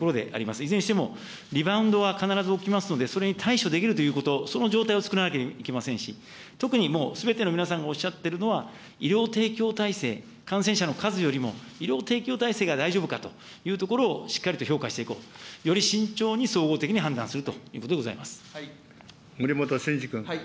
いずれにしてもリバウンドは必ず起きますので、それに対処できるということ、その状態を作らなければいけませんし、特にもうすべての皆さんがおっしゃってるのは、医療提供体制、感染者の数よりも、医療提供体制が大丈夫かというところをしっかりと評価していこう、より慎重に総合的に判断するとい森本真治君。